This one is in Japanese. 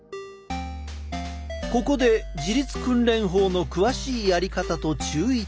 ここで自律訓練法の詳しいやり方と注意点。